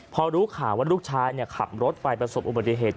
พอรู้ข่าวว่าลูกชายขับรถไปประสบอุบัติเหตุ